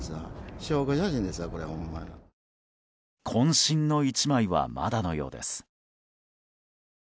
渾身の１枚はまだのようです。